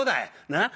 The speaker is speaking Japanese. なっ？